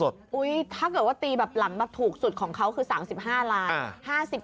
ถ้าเกิดว่าตีแบบหลังแบบถูกสุดของเขาคือ๓๕ล้าน